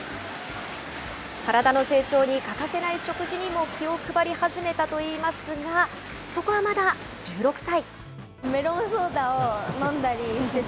体の成長に欠かせない食事にも気を配り始めたといいますが、そこはまだ１６歳。